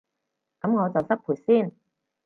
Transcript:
噉我就失陪先